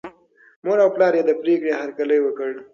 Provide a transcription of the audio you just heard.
مور او پلار یې د پرېکړې هرکلی وکړ.